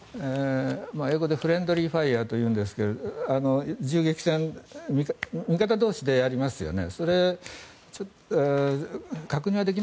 英語でフレンドリーファイアというんですが銃撃戦味方同士でやりますよね。